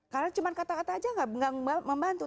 karena cuma kata kata aja gak membantu